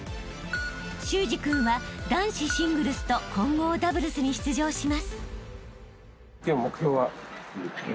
［修志君は男子シングルスと混合ダブルスに出場します］